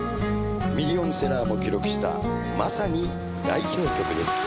ミリオンセラーも記録したまさに代表曲です。